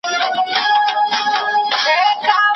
هر مرغه به یې حملې ته آماده سو